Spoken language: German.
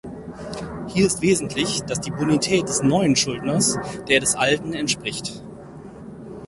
Hier ist wesentlich, dass die Bonität des neuen Schuldners der des alten entspricht.